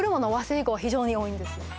英語は非常に多いんですよ